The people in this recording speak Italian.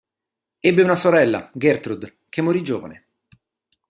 Ebbe una sorella, Gertrud che morì giovane.